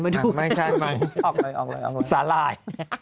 ไฟล์เหรอไม่ใช่ออกเลยสาลาย